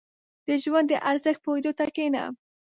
• د ژوند د ارزښت پوهېدو ته کښېنه.